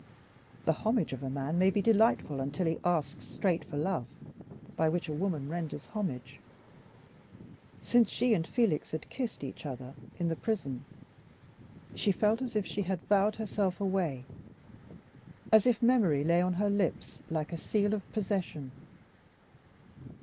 The homage of a man may be delightful until he asks straight for love, by which a woman renders homage. Since she and Felix had kissed each other in the prison, she felt as if she had vowed herself away, as if memory lay on her lips like a seal of possession.